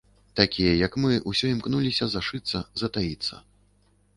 Такія, як мы, усё імкнуліся зашыцца, затаіцца.